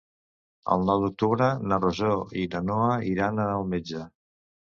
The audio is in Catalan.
El nou d'octubre na Rosó i na Noa iran al metge.